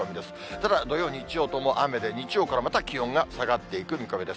ただ、土曜、日曜とも雨で、日曜からまた気温が下がっていく見込みです。